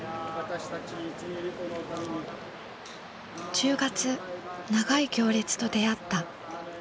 １０月長い行列と出会った。